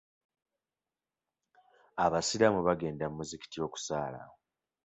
Abasiraamu bagenda mu muzikiti okusaala.